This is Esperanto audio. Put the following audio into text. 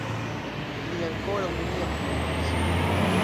Li ankoraŭ neniam plendis.